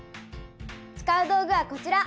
使う道具はこちら。